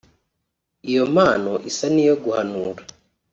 Iyo mpano isa n’iyo guhanura